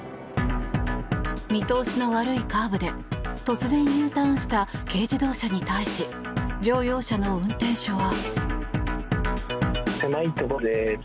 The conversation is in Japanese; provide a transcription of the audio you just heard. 見通しの悪いカーブで突然Ｕターンした軽自動車に対し乗用車の運転手は。